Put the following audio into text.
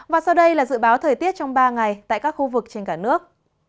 và sau đây là dự báo thời tiết trong ba ngày tại các khu vực trên cả nước